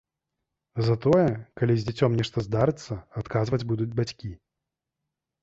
Затое, калі з дзіцём нешта здарыцца, адказваць будуць бацькі.